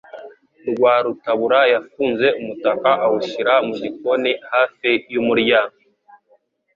Rwarutabura yafunze umutaka awushyira mu gikoni hafi yumuryango.